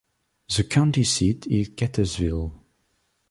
The county seat is Gatesville.